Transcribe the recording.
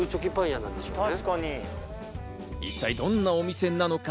一体どんなお店なのか？